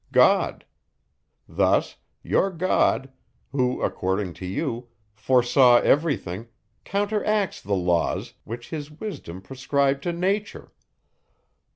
God. Thus, your God, who, according to you, foresaw every thing, counteracts the laws, which his wisdom prescribed to nature!